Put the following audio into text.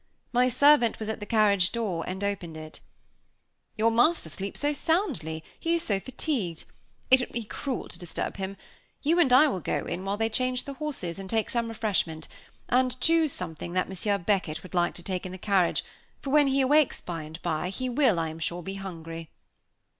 My servant was at the carriage door, and opened it. "Your master sleeps soundly, he is so fatigued! It would be cruel to disturb him. You and I will go in, while they change the horses, and take some refreshment, and choose something that Monsieur Beckett will like to take in the carriage, for when he awakes by and by, he will, I am sure, be hungry."